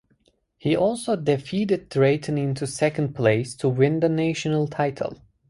He also defeated Drayton into second place to win the national title.